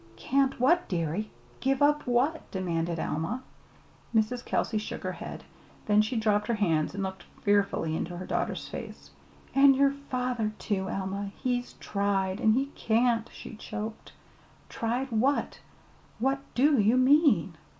"Can't what, dearie? give up what?" demanded Alma. Mrs. Kelsey shook her head. Then she dropped her hands and looked fearfully into her daughter's face. "An' yer father, too, Alma he's tried, an' he can't," she choked. "Tried what? What do you mean?"